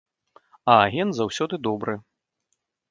А агент заўсёды добры.